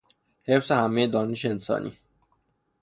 حفظ همهی دانش انسانی